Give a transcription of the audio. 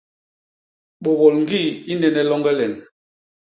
Bôbôl ñgi i nnene longe len.